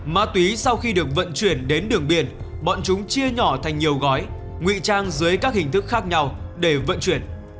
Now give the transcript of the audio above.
ma túy sau khi được vận chuyển đến đường biển bọn chúng chia nhỏ thành nhiều gói nguy trang dưới các hình thức khác nhau để vận chuyển